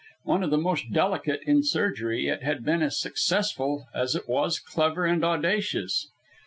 One of the most delicate in surgery, it had been as successful as it was clever and audacious.